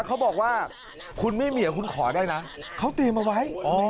เขาบอกว่าคุณไม่มีคุณขอได้นะเขาเตรียมเอาไว้